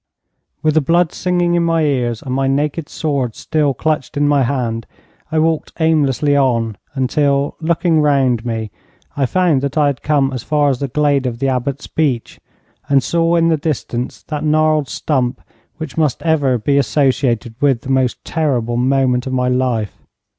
With the blood singing in my ears, and my naked sword still clutched in my hand, I walked aimlessly on until, looking round me, I found that I had come as far as the glade of the Abbot's Beech, and saw in the distance that gnarled stump which must ever be associated with the most terrible moment of my life.